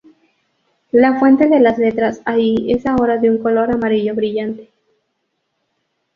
La fuente de las letras "Ai" es ahora de un color amarillo brillante.